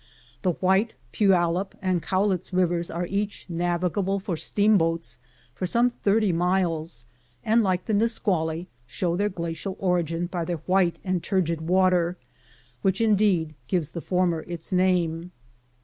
The White, Puyallup, and Cowlitz rivers are each navigable for steamboats for some thirty miles, and like the Nisqually show their glacial origin by their white and turgid water, which indeed gives the former its name.